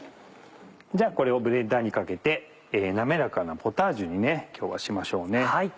これをブレンダーにかけて滑らかなポタージュに今日はしましょうね。